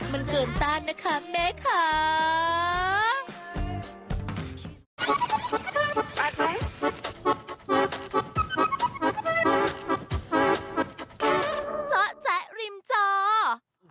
มันเกินต้านนะคะแม่ค่ะ